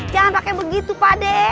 jangan pake begitu pade